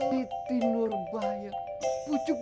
diti nur banyak